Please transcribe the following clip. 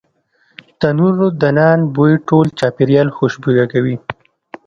تنوردنان بوی ټول چاپیریال خوشبویه کوي.